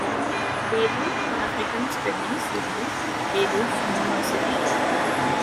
Beirut African Studies Series, Beirut University.